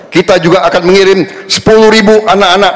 kita juga akan mengirim sepuluh ribu anak anak